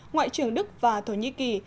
ngoại trưởng đức và thổ nhĩ kỳ